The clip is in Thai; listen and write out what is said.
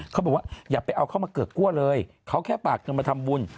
เขาบอกว่าอย่าไปเอาเข้ามาเกือกกลัวเลยเขาแค่ฝากเงินมาทำบุญ